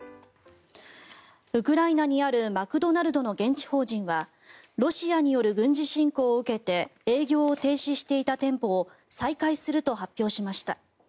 ウクライナにあるマクドナルドの現地法人はロシアによる軍事侵攻を受けて営業を停止していた店舗を再開すると発表しました。